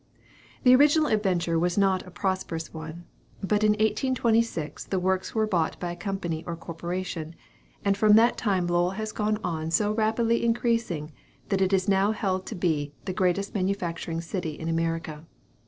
The original adventure was not a prosperous one. But in 1826 the works were bought by a company or corporation; and from that time Lowell has gone on so rapidly increasing that it is now held to be "the greatest manufacturing city in America."